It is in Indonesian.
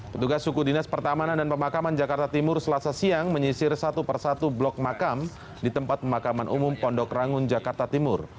petugas suku dinas pertamanan dan pemakaman jakarta timur selasa siang menyisir satu persatu blok makam di tempat pemakaman umum pondok rangun jakarta timur